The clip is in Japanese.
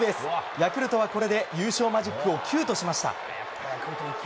ヤクルトはこれで優勝マジックを９としました。